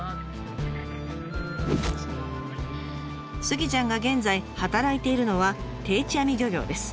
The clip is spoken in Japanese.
スギちゃんが現在働いているのは定置網漁業です。